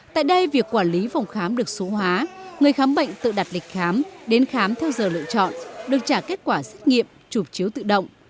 tại đây việc quản lý phòng khám được số hóa người khám bệnh tự đặt lịch khám đến khám theo giờ lựa chọn được trả kết quả xét nghiệm chụp chiếu tự động